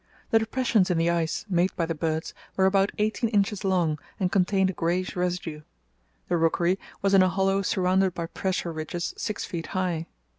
The depressions in the ice, made by the birds, were about eighteen inches long and contained a greyish residue. The rookery was in a hollow surrounded by pressure ridges six feet high.